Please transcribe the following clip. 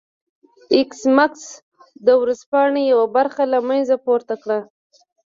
ایس میکس د ورځپاڼې یوه برخه له ځمکې پورته کړه